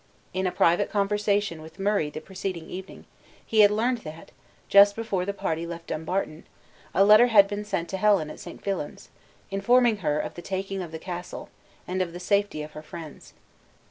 In a private conversation with Murray the preceding evening he had learned that, just before the party left Dumbarton, a letter had been sent to Helen at St. Filan's, informing her of the taking of the castle, and of the safety of her friends.